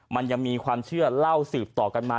มันยังมีความเชื่อเล่าสืบต่อกันมา